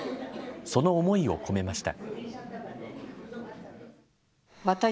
その思いを込めました。